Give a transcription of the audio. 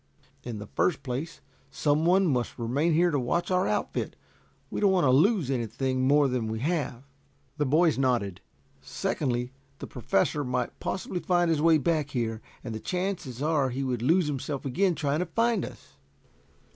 "In the first place some one must remain here to watch our outfit. We don't want to lose anything more than we have." The boys nodded. "Secondly, the Professor might possibly find his way back here, and the chances are he would lose himself again trying to find us."